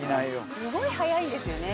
すごい速いんですよね